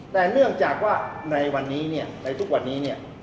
แต่เนื่องจากว่าในวันนี้เนี่ยในทุกวันนี้เนี่ย